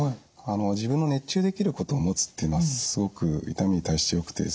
自分の熱中できることをもつっていうのはすごく痛みに対してよくってですね